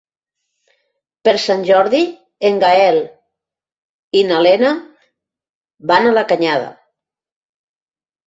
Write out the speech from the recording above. Per Sant Jordi en Gaël i na Lena van a la Canyada.